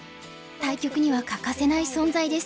対局には欠かせない存在です。